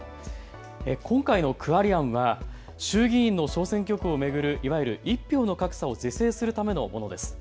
今回の区割り案は衆議院の小選挙区を巡るいわゆる１票の格差を是正するためのものです。